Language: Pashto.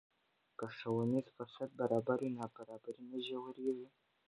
که ښوونیز فرصت برابر وي، نابرابري نه ژورېږي.